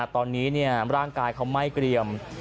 ตอนนี้ร่างกายเขาไหม้เกรียม